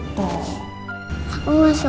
pak al udah punya istri